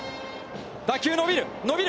打球伸びる。